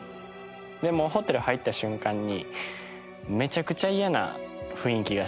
でもうホテル入った瞬間にめちゃくちゃ嫌な雰囲気がして。